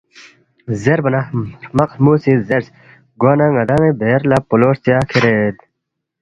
زیربا نہ ہرمق ہرمُو سی زیرس، گوانہ ن٘دان٘ی بیر لہ پولو ہرژیا کھیرید